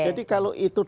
jadi kalau itu di